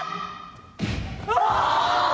「うわ！」。